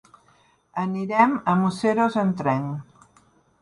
Anirem a Museros amb tren.